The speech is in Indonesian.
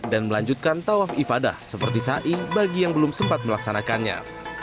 dan melanjutkan tawaf ifadah seperti sa'i bagi yang belum sempat melaksanakannya